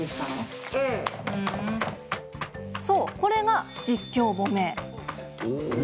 そう、これが実況褒め。